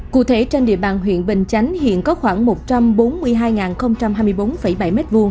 cụ thể trên địa bàn huyện bình chánh hiện có khoảng một trăm bốn mươi hai hai mươi bốn bảy m hai